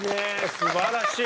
すばらしい。